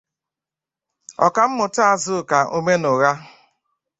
Ọkammụta Azụka Omenụgha